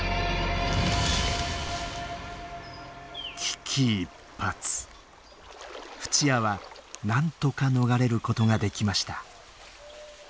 危機一髪フチアはなんとか逃れることができました。